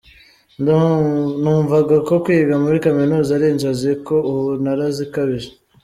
Numvaga ko kwiga muri kaminuza ari inzozi ko ubu narazikabije.